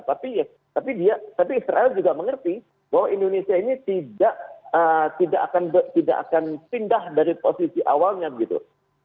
tapi israel juga mengerti bahwa indonesia ini tidak akan pindah dari posisi awalnya gitu